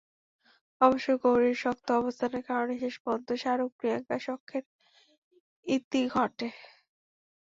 অবশ্য গৌরীর শক্ত অবস্থানের কারণে শেষ পর্যন্ত শাহরুখ-প্রিয়াঙ্কা সখ্যের ইতি ঘটে।